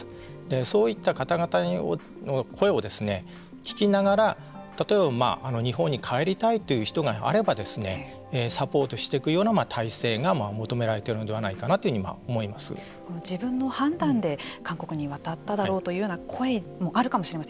そういった方々の声を聞きながら例えば日本に帰りたいという人があればサポートしていくような体制が求められているのではないかなと自分の判断で韓国に渡っただろうというような声もあるかもしれません。